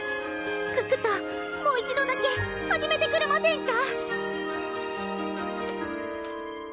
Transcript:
可可ともう一度だけ始めてくれませんか？